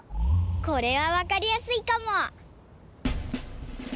これはわかりやすいかも！